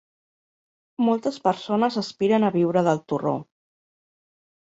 Moltes persones aspiren a viure del torró.